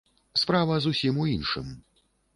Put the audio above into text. Справа зусім у іншым.